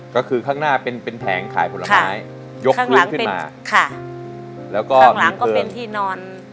ก็คือข้างหน้าเป็นแถงขายผลไม้ยกเพลิงขึ้นมาข้างหลังก็เป็นที่นอน